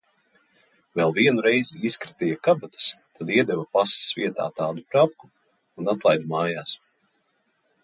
Vēl vienu reizi izkratīja kabatas, tad iedeva pases vietā tādu pravku un atlaida mājās.